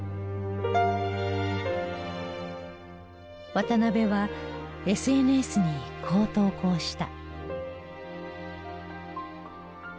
渡邊はＳＮＳにこう投稿した。